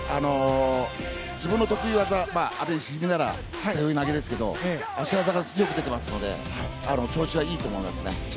自分の得意技阿部一二三なら背負い投げですが足技がよく出ていますので調子はいいと思います。